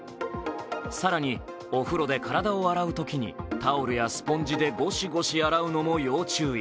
更に、お風呂で体を洗うときにタオルやスポンジでゴシゴシ洗うのも要注意。